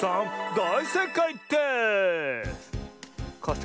だいせいかいです！